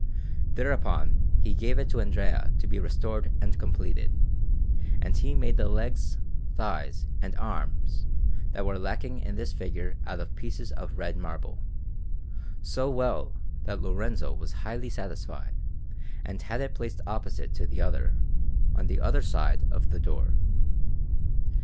Thereupon he gave it to Andrea to be restored and completed, and he made the legs, thighs, and arms that were lacking in this figure out of pieces of red marble, so well that Lorenzo was highly satisfied and had it placed opposite to the other, on the other side of the door.